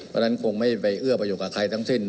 เพราะงั้นคงไม่ได้เยื้อประโยชน์กับใครทั้งที่